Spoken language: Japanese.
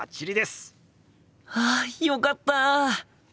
はあよかった！